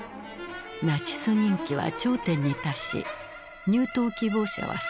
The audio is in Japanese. ナチス人気は頂点に達し入党希望者は殺到した。